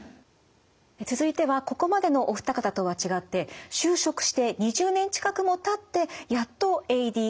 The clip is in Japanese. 続いてはここまでのお二方とは違って就職して２０年近くもたってやっとＡＤＨＤだと気付いた方もいます。